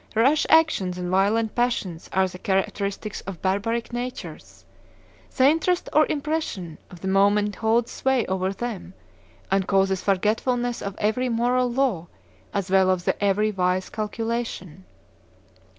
Rash actions and violent passions are the characteristics of barbaric natures; the interest or impression of the moment holds sway over them, and causes forgetfulness of every moral law as well as of every wise calculation.